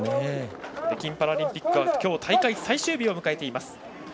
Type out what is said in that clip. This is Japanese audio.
北京パラリンピックは今日大会最終日を迎えています。